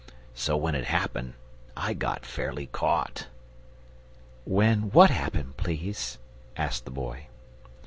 So when it happened I got fairly caught." "When WHAT happened, please?" asked the Boy.